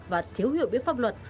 và thiếu hiểu biết pháp luật